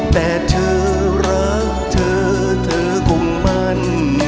แต่เธอรักเธอเธอคงมั่น